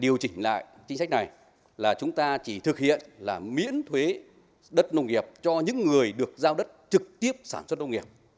điều chỉnh lại chính sách này là chúng ta chỉ thực hiện là miễn thuế đất nông nghiệp cho những người được giao đất trực tiếp sản xuất nông nghiệp